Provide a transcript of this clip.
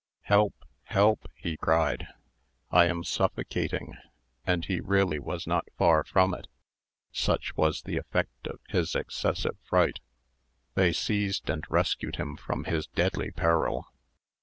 "Help! help!" he cried; "I am suffocating;" and he really was not far from it, such was the effect of his excessive fright. They seized and rescued him from his deadly peril.